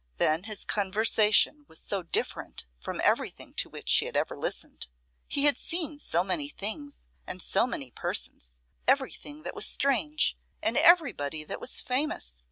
Then his conversation was so different from everything to which she had ever listened. He had seen so many things and so many persons; everything that was strange, and everybody that was famous.